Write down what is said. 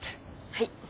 はい。